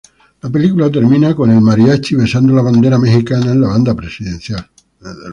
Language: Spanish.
La película termina con el Mariachi besando la bandera mexicana en la banda presidencial.